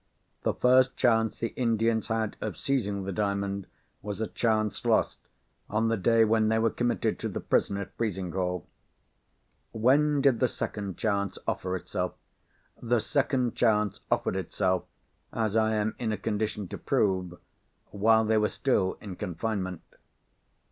"The first chance the Indians had of seizing the Diamond was a chance lost, on the day when they were committed to the prison at Frizinghall. When did the second chance offer itself? The second chance offered itself—as I am in a condition to prove—while they were still in confinement."